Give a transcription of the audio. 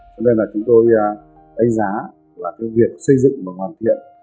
cho nên chúng tôi đánh giá việc xây dựng và hoàn thiện